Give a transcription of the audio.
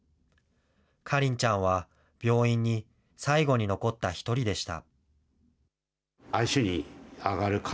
花梨ちゃんは病院に最後に残った一人でした。